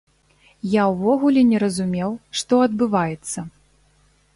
Я ўвогуле не разумеў, што адбываецца.